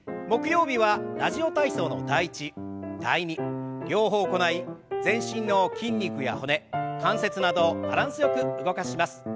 木曜日は「ラジオ体操」の「第１」「第２」両方行い全身の筋肉や骨関節などをバランスよく動かします。